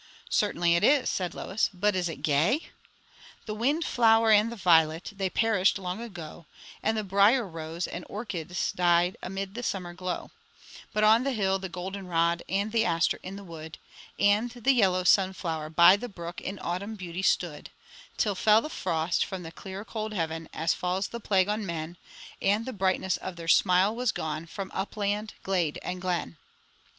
"Certainly it is," said Lois; "but is it gay? 'The wind flower and the violet, they perished long ago, And the brier rose and the orchis died amid the summer glow; But on the hill the golden rod, and the aster in the wood, And the yellow sun flower by the brook in autumn beauty stood, Till fell the frost from the clear cold heaven, as falls the plague on men, And the brightness of their smile was gone, from upland, glade, and glen.'"